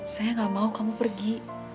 saya gak mau kamu pergi